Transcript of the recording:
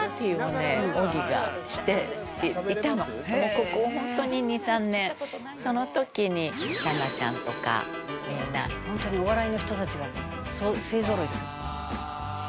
「ここホントに２３年」「その時にタナちゃんとかみんな」「ホントにお笑いの人たちが勢ぞろいする」